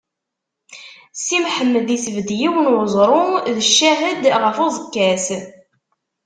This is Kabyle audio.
Si Mḥemmed isbedd yiwen n uẓru d ccahed ɣef uẓekka-s.